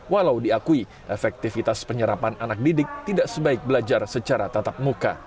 walau diakui efektivitas penyerapan anak didik tidak sebaik belajar secara tatap muka